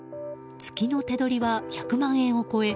月の手取りは１００万円を超え